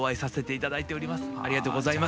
ありがとうございます。